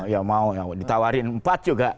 ya mau ditawarin empat juga